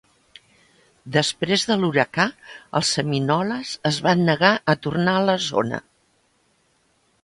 Després de l'huracà, els seminoles es van negar a tornar a la zona.